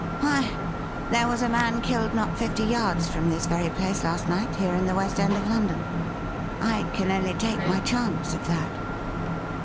Why, there was a man killed not fifty yards from this very place last night, here in the West End of London ! I can only take my chance of that.